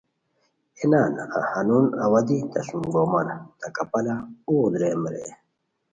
اے نان ہنون اوا دی تہ سُوم گومان تہ کپالہ اوغ دریم رے